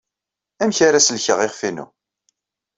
Amek ara sellkeɣ iɣef-inu?